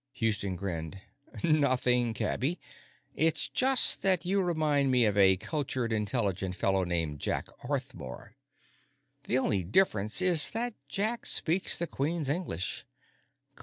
Houston grinned. "Nothing, cabbie; it's just that you remind me of a cultured, intelligent fellow named Jack Arthmore. The only difference is that Jack speaks the Queen's English."